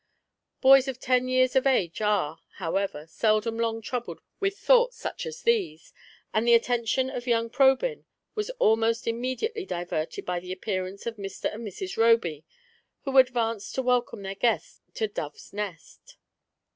Boys of ten years of age are, however, seldom long troubled with thoughts such as these, and the attention of young Probyn was almost immediately diverted by the appearance of Mr. and Mrs. Roby, who advanced to welcome their guests to Dove's Nest.